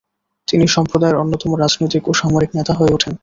তিনি সম্প্রদায়ের অন্যতম রাজনৈতিক ও সামরিক নেতা হয়ে ওঠেন।